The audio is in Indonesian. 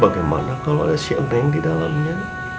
bagaimana kalau ada si eneng di dalamnya